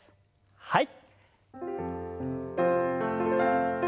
はい。